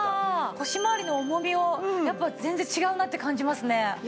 腰回りの重みを全然違うなって感じますね。